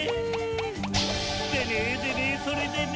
でねでねそれでね